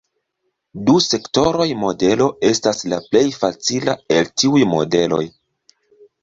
Du-sektoroj-modelo estas la plej facila el tiuj modeloj.